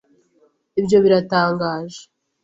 Ibyo biratangaje .